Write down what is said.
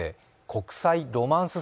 国際ロマンス